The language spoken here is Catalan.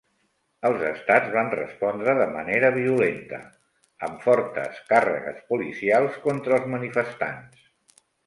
Els estats van respondre de manera violenta, amb fortes càrregues policials contra els manifestants.